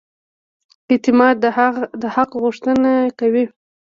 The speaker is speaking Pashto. اعتماد د حق غوښتنه کوي.